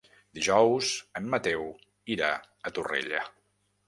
Dijous en Mateu irà a Torrella.